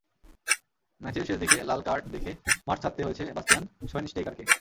ম্যাচের শেষ দিকে লাল কার্ড দেখে মাঠ ছাড়তে হয়েছে বাস্তিয়ান শোয়েনস্টেইগারকে।